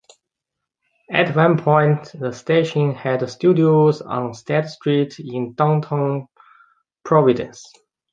At one point, the station had studios on State Street in Downtown Providence.